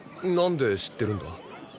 なんで知ってるんだ？